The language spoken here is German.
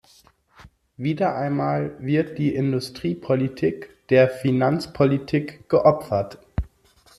Wieder einmal wird die Industriepolitik der Finanzpolitik geopfert.